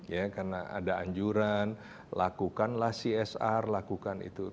ya karena ada anjuran lakukanlah csr lakukan itu